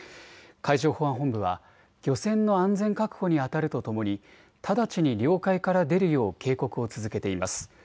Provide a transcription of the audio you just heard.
海上保安本部は漁船の安全確保にあたるとともに直ちに領海から出るよう警告を続けています。